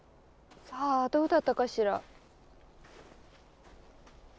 さあどうだったかしら。